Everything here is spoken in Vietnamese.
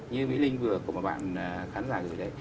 như mỹ linh vừa của một bạn khán giả gửi đấy